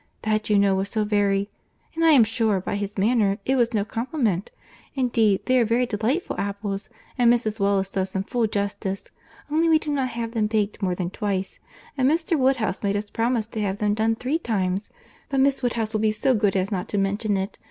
That, you know, was so very.... And I am sure, by his manner, it was no compliment. Indeed they are very delightful apples, and Mrs. Wallis does them full justice—only we do not have them baked more than twice, and Mr. Woodhouse made us promise to have them done three times—but Miss Woodhouse will be so good as not to mention it.